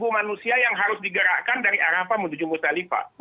manusia yang harus digerakkan dari arafah menuju musdalifah